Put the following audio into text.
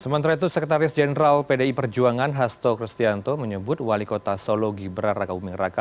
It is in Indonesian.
sementara itu sekretaris jenderal pdi perjuangan hasto kristianto menyebut wali kota solo gibran raka buming raka